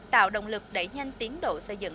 tạo động lực đẩy nhanh tiến độ xây dựng